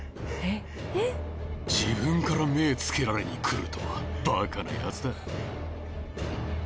自分から目つけられにくるとはバカなヤツだ